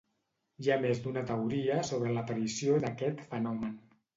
Hi ha més d'una teoria sobre l'aparició d'aquest fenomen.